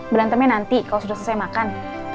berantemnya nanti kalau sudah selesai makan